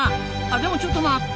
でもちょっと待った！